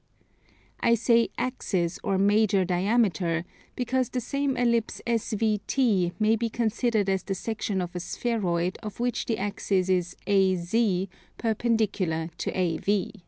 I say axis or major diameter, because the same ellipse SVT may be considered as the section of a spheroid of which the axis is AZ perpendicular to AV.